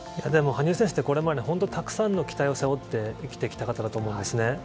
羽生選手ってこれまで本当にたくさんの期待を背負って生きてきた方だと思うんですね。